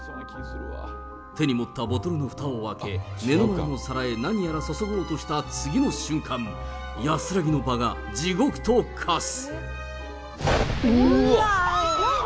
手に持ったボトルのふたを開け、目の前の皿に何やら注ごうとした次の瞬間、安らぎの場が地獄と化す。